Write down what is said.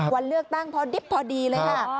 วันเลือกตั้งพอดิบพอดีเลยค่ะ